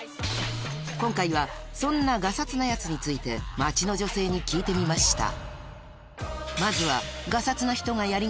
今回はそんなガサツなヤツについて街の女性に聞いてみました